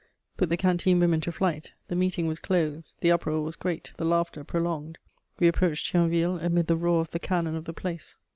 put the canteen women to flight. The meeting was closed: the uproar was great, the laughter prolonged. We approached Thionville amid the roar of the cannon of the place.